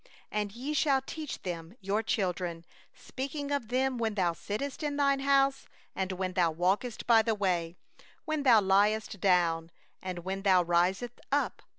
19And ye shall teach them your children, talking of them, when thou sittest in thy house, and when thou walkest by the way, and when thou liest down, and when thou risest up.